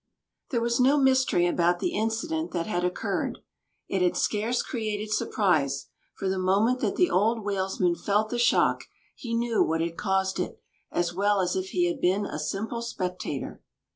There was no mystery about the incident that had occurred. It had scarce created surprise; for the moment that the old whalesman felt the shock, he knew what had caused it, as well as if he had been a simple spectator.